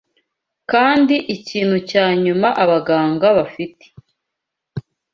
kandi ikintu cya nyuma abaganga bafite